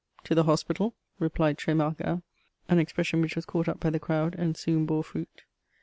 " To the hospital," re plied Tremargat ; an expression which was caught up by the crowd and soon bore fruit.